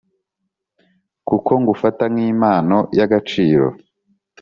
kuko ngufata nkimpano yagaciro."